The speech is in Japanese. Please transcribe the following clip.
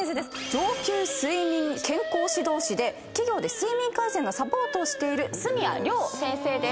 上級睡眠健康指導士で企業で睡眠改善のサポートをしている角谷リョウ先生です。